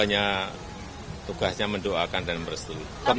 hanya tugasnya mendoakan dan merestui